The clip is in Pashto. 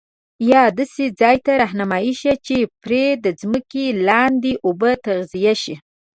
یا داسي ځاي ته رهنمایی شي چي پري د ځمکي دلاندي اوبه تغذیه شي